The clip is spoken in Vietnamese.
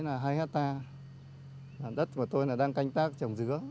nhà máy là hai hectare đất của tôi đang canh tác trồng dứa